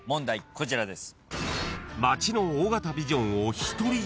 こちらです。